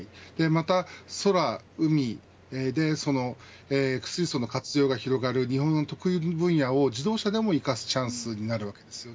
また、空・海で水素の活用が広がる日本の得意な分野を自動車でも生かすチャンスになるわけです。